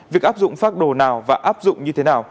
việc áp dụng phác đồ nào và áp dụng như thế nào